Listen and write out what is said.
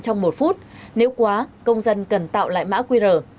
trong một phút nếu quá công dân cần tạo lại mã qr